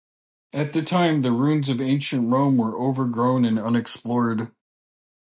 At the time the ruins of ancient Rome were overgrown and unexplored.